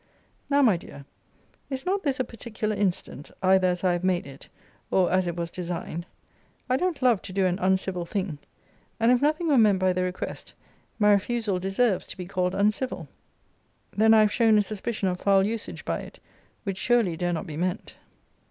Now, my dear, is not this a particular incident, either as I have made it, or as it was designed? I don't love to do an uncivil thing. And if nothing were meant by the request, my refusal deserves to be called uncivil. Then I have shown a suspicion of foul usage by it, which surely dare not be meant.